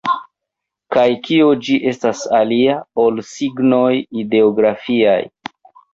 Kaj kio ĝi estas alia, ol signoj ideografiaj?